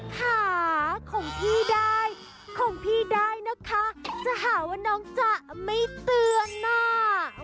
ขาของพี่ได้ของพี่ได้นะคะจะหาว่าน้องจะไม่เตือนหน้า